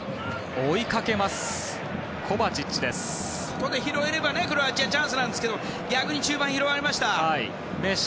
ここで拾えればクロアチア、チャンスなんですが逆に中盤で拾われましたね。